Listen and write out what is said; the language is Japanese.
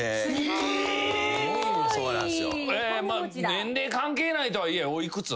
年齢関係ないとはいえお幾つ？